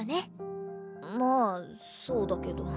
まあそうだけど。